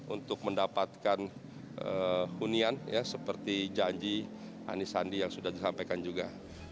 untuk mendapatkan hunian seperti janji anisandi yang sudah disampaikan juga